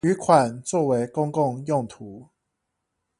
餘款作為公共用途